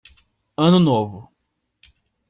Ano novo